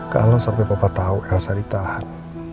kalau sampai papa tau elsa ditahan